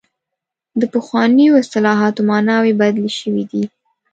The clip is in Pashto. د پخوانیو اصطلاحاتو معناوې بدلې شوې دي.